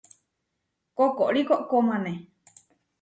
Koʼkóri koʼkómane.